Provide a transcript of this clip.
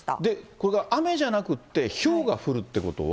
これが雨じゃなくってひょうが降るっていうことは。